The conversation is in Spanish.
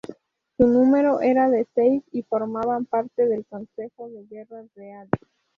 Su número era de seis y formaban parte del consejo de guerra real.